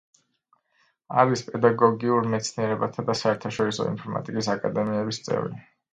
არის პედაგოგიურ მეცნიერებათა და საერთაშორისო ინფორმატიკის აკადემიების წევრი.